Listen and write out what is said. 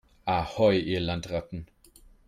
Ahoi, ihr Landratten